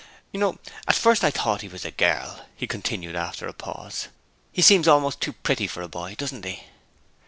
'You know, at first I thought he was a girl,' he continued after a pause. 'He seems almost too pretty for a boy, doesn't he?'